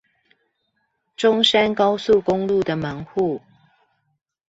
中山高速公路的門戶